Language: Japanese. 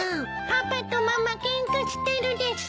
パパとママケンカしてるです。